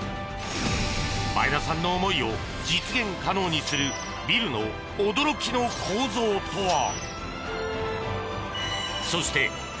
前田さんの思いを実現可能にするビルの驚きの構造とは。